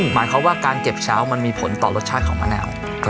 หมายความว่าการเก็บเช้ามันมีผลต่อรสชาติของมะนาว